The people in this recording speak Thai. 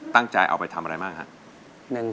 ตั้งใจเอาไปทำอะไรบ้างครับ